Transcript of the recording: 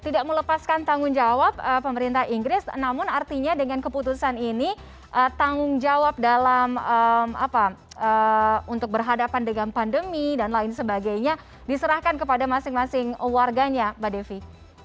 tidak melepaskan tanggung jawab pemerintah inggris namun artinya dengan keputusan ini tanggung jawab dalam untuk berhadapan dengan pandemi dan lain sebagainya diserahkan kepada masing masing warganya mbak devi